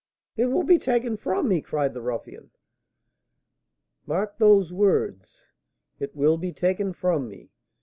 "It will be taken from me!" cried the ruffian. "Mark those words, 'It will be taken from me!'